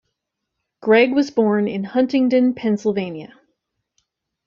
Gregg was born in Huntingdon, Pennsylvania.